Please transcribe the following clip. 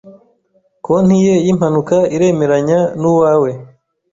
Konti ye yimpanuka iremeranya nuwawe.